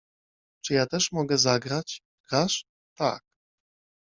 — Czy ja też mogę zagrać? — Grasz? — Tak.